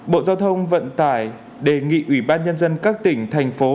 bộ giao thông vận tải đề nghị ủy ban nhân dân các tỉnh thành phố